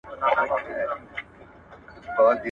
نه سور وي په محفل کي نه مطرب نه به غزل وي